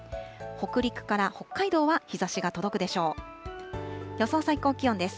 北陸から北海道は日ざしが届くでしょう。